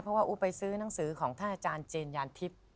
เพราะว่าอุ๊บไปซื้อหนังสือของท่านอาจารย์เจนยานทิพย์